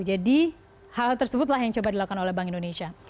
jadi hal tersebutlah yang coba dilakukan oleh bank indonesia